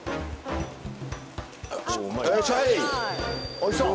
おいしそう！